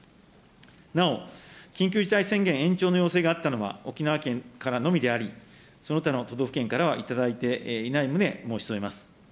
なお、緊急事態宣言延長の要請があったのは沖縄県からのみであり、その他の都道府県からはいただいていない旨、申し添えます。